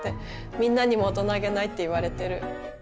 みんなにも大人げないって言われてる。